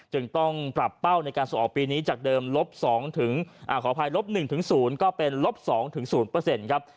จึงต้องปรับเป้าในการสื่อออกปีนี้จากเดิมละ๒๑๐ก็เป็นละ๒๐